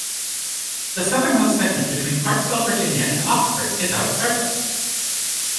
The southernmost segment between Clarksville, Virginia and Oxford is out of service.